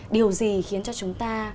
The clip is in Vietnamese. điều gì khiến cho chúng ta